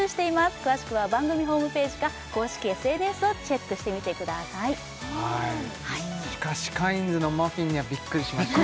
詳しくは番組ホームページか公式ＳＮＳをチェックしてみてくださいしかしカインズのマフィンにはびっくりしましたね